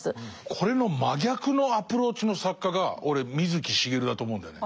これの真逆のアプローチの作家が俺水木しげるだと思うんだよね。